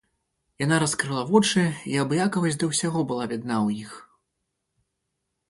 Яна раскрыла вочы, і абыякавасць да ўсяго была відна ў іх.